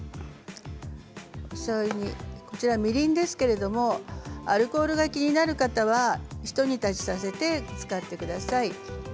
しょうゆに、みりんですけれどアルコールが気になる方はひと煮立ちさせて使ってください。